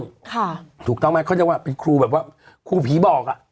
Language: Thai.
ถูกต้องไหมเขาเรียกว่าเป็นครูแบบว่าครูผีบอกอ่ะ